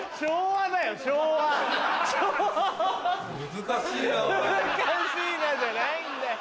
「難しいな」じゃないんだよ。